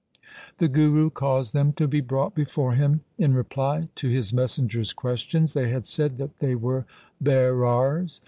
The Guru caused them to be brought before him. In reply to his messenger's questions they had said that they were Bairars.